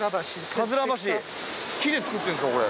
木で作ってんですかこれ。